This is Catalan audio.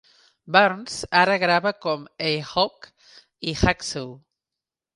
Barnes ara grava com A Hawk i Hacksaw.